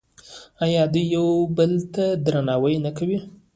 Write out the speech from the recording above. آیا دوی یو بل ته درناوی نه کوي؟